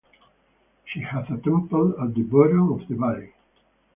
She had a temple at the bottom of the valley.